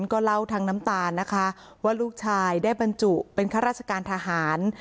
ก็เล่าทั้งน้ำตาลนะคะว่าลูกชายได้บรรจุเป็นข้าราชการทหาร